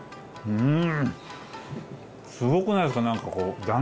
うん！